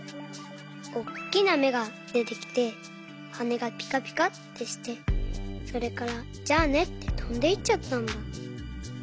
おっきなめがでてきてはねがぴかぴかってしてそれから「じゃあね」ってとんでいっちゃったんだ。